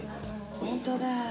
本当だ。